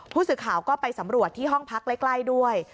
ผู้สื่อข่าวก็ไปสำรวจที่ห้องพักใกล้ด้วย